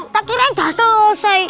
tak kirain dah selesai